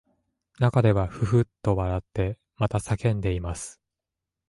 中ではふっふっと笑ってまた叫んでいます